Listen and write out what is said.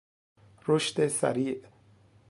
رشد سریع